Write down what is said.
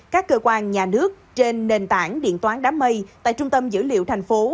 các cơ quan nhà nước trên nền tảng điện toán đám mây tại trung tâm dữ liệu thành phố